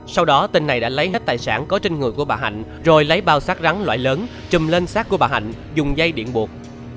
sau đó tên này đã lấy hết tài sản có trên người của bà hạnh rồi lấy bao xác rắn loại lớn chùm lên sát của bà hạnh dùng dây điện buộc